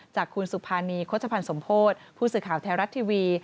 จากคุณสุภานีโฆษภัณฑ์สมโพธิผู้สื่อข่าวไทยรัฐทีวี